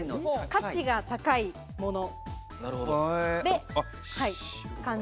価値が高いもの。